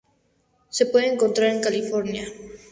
Se puede encontrar en California.